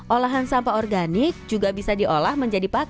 olahan sampah organik juga bisa diolah menjadi pakan